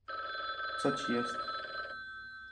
"co ci jest?"